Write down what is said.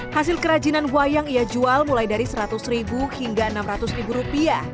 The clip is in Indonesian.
hasil kerajinan wayang ia jual mulai dari seratus ribu hingga enam ratus ribu rupiah